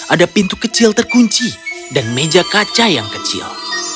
ada pintu kecil terkunci dan meja kaca yang kecil